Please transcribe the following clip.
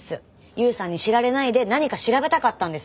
勇さんに知られないで何か調べたかったんですよ。